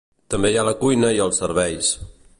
També hi ha la cuina i els serveis.